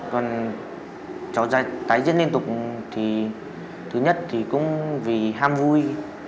còn chó tái diễn liên tục thì thứ nhất thì cũng vì ham vui